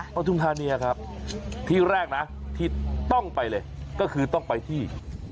ทุมธานีครับที่แรกนะที่ต้องไปเลยก็คือต้องไปที่